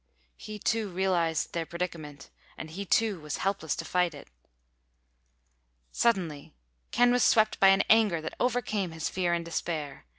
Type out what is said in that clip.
He, too, realized their predicament—and he, too, was helpless to fight it. Suddenly Ken was swept by an anger that overcame his fear and despair.